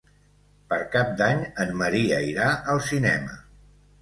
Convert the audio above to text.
Per Cap d'Any en Maria irà al cinema.